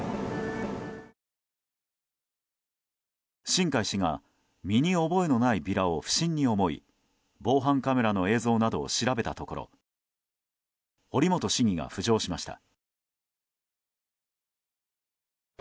新開氏が身に覚えのないビラを不審に思い防犯カメラの映像などを調べたところ堀本市議が浮上しました。